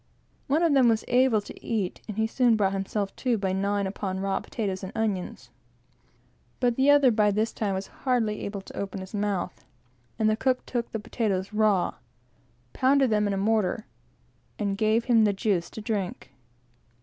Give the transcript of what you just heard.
One of them was able to eat, and he soon brought himself to, by gnawing upon raw potatoes; but the other, by this time, was hardly able to open his mouth; and the cook took the potatoes raw, pounded them in a mortar, and gave him the juice to drink.